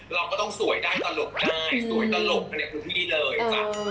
เราก็ต้องสวยได้ตลกได้สวยตลกก็เนี่ยคือที่เลยจ้ะ